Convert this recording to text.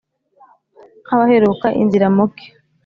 nk’abaheruka inzira mu ki